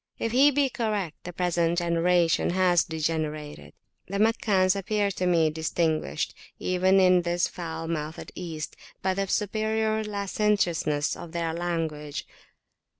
If he be correct, the present generation has degenerated. The Meccans appeared to me distinguished, even in this foul mouthed East, by the superior licentiousness of their language.